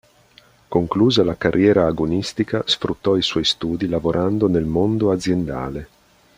Conclusa la carriera agonistica sfruttò i suoi studi lavorando nel mondo aziendale.